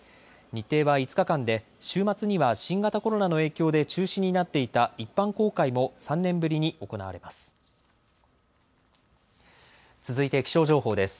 日程は５日間で週末には新型コロナの影響で中止になっていた一般公開も３年ぶりに行われます。